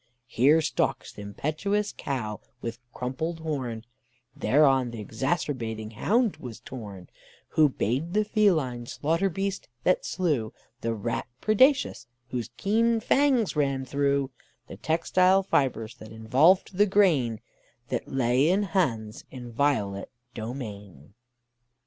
Here stalks th' impetuous cow with crumpled horn, Thereon th' exacerbating hound was torn, Who bayed the feline slaughter beast that slew The rat predacious, whose keen fangs ran through The textile fibres that involved the grain That lay in Han's inviolate domain."